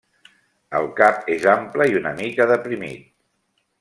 El cap és ample i una mica deprimit.